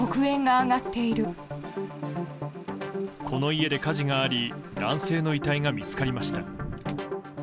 この家で火事があり男性の遺体が見つかりました。